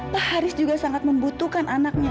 pak haris juga sangat membutuhkan anaknya